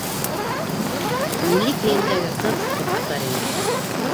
«Милли кейемдәге ҡыҙ» тип атар инем.